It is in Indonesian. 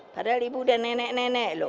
pada libu dan nenek nenek lo